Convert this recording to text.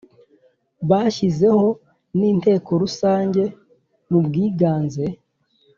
bashyizweho n Inteko Rusange mu bwiganze